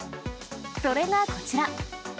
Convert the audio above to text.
それがこちら。